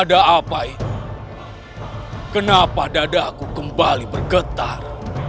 ada apa itu kenapa dadaku kembali bergetar